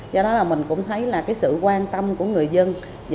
do đó là mình cũng thấy là cái sự quan tâm của người dân